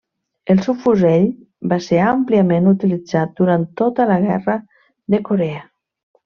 El subfusell va ser àmpliament utilitzat durant tota la Guerra de Corea.